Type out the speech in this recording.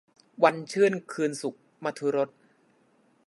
วันชื่นคืนสุข - มธุรส